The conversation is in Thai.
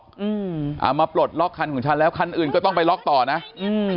อืมอ่ามาปลดล็อกคันของฉันแล้วคันอื่นก็ต้องไปล็อกต่อนะอืม